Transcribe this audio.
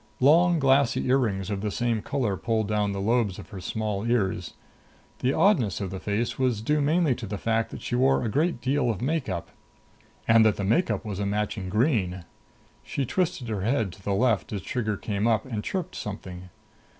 Long glassy earrings of the same color pulled down the lobes of her small ears. The oddness of the face was due mainly to the fact that she wore a great deal of make up, and that the make up was a matching green. She twisted her head to the left as Trigger came up, and chirped something.